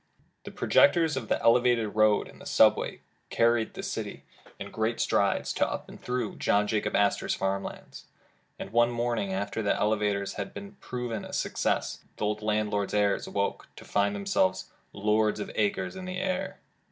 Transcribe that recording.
The projectors of the elevated road and the subway carried the city in great strides up to, and through John Jacob Astor 's farm lands; and one morning after the elevator had been proved a success, the old landlord's heirs awoke to find thmselves lords of acres in the air.